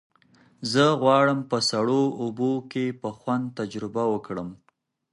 زه غواړم په سړو اوبو کې په خوند تجربه وکړم.